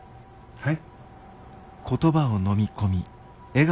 はい。